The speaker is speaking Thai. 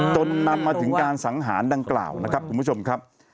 จนนำมาถึงการสังหารดังกล่าวนะครับคุณผู้ชมครับ